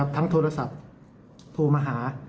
ทั้งโทรศัพท์โทรมาหา